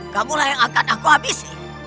kamulah yang akan aku habisi